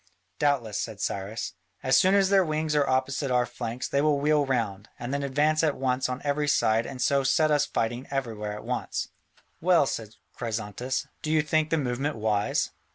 "Doubtless," said Cyrus, "as soon as their wings are opposite our flanks, they will wheel round, and then advance at once on every side and so set us fighting everywhere at once." "Well," said Chrysantas, "do you think the movement wise?"